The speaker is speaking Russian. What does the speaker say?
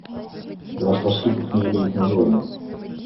Ваш поступок не имеет названия.